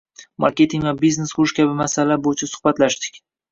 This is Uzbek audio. Marketing va biznes qurish kabi masalalar bo'yicha suhbatlashdik